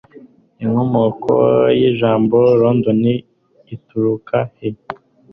Inkomoko y'Ijambo London ituruka he?